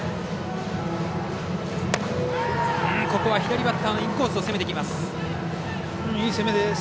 左バッターのインコースを攻めていきます。